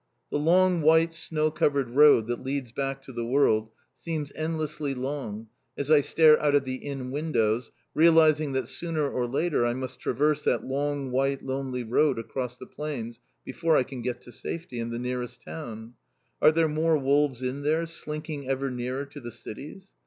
The long, white, snow covered road that leads back to the world seems endlessly long as I stare out of the Inn windows realizing that sooner or later I must traverse that long white lonely road across the plains before I can get to safety, and the nearest town. Are there more wolves in there, slinking ever nearer to the cities?